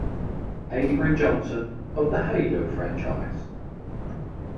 Avery Johnson of the Halo franchise.